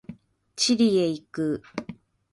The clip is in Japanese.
チリへ行く。